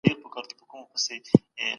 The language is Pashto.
موږ دا شکلونه پېژنو.